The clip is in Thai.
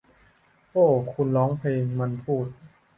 โอ้ คุณร้องเพลง มันพูด